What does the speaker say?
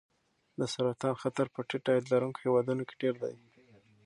د سرطان خطر په ټیټ عاید لرونکو هېوادونو کې ډېر دی.